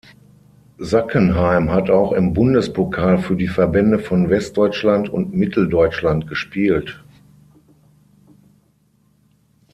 Sackenheim hat auch im Bundespokal für die Verbände von Westdeutschland und Mitteldeutschland gespielt.